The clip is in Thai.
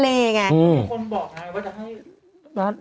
พระคมบอกไทยว่าจะให้